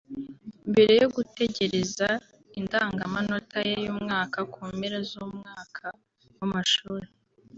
mbere yo gutegereza indangamanota ye y’umwaka ku mpera z’umwaka w’amashuri